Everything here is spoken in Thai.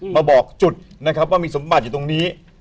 มาบอกจุดนะครับว่ามีสมบัติอยู่ตรงนี้